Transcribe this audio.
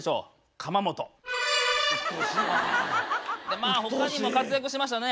まあ他にも活躍しましたね。